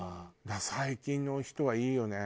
だから最近の人はいいよね。